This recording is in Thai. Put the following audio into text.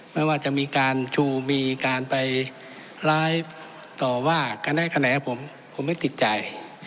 ไม่ว่าจะมีการชูมีการไปไลฟ์ต่อว่าการให้คะแนนผมผมไม่ติดใจ